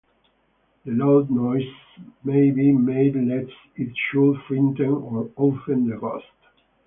No loud noise may be made lest it should frighten or offend the ghost.